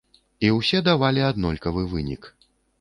І ўсе давалі аднолькавы вынік.